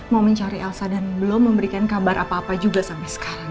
mau mencari elsa dan belum memberikan kabar apa apa juga sampai sekarang